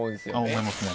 思いますね。